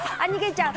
ちゃん